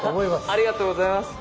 ありがとうございます。